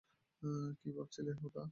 কী ভাবছিলে, হাঁদা?